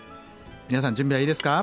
皆さん準備はいいですか？